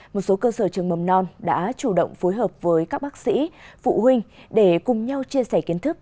một số cơ sở trường mầm non đã chủ động phối hợp với các bác sĩ phụ huynh để cùng nhau chia sẻ kiến thức